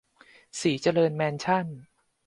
ศรีเจริญแมนชั่น